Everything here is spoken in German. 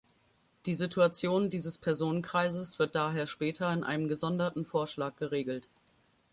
Die Situation dieses Personenkreises wird daher später in einem gesonderten Vorschlag geregelt.